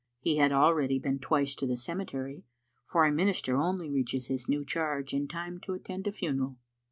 He had already been twice to the cemetery, for a minister only reaches his new charge in time to attend a funeral.